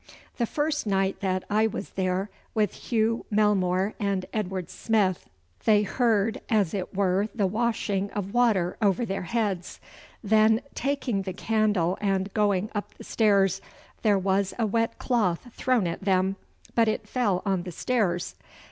'The first night that I was there, with Hugh Mellmore and Edward Smith, they heard as it were the washing of water over their heads. Then, taking the candle and going up the stairs, there was a wet cloth thrown at them, but it fell on the stairs.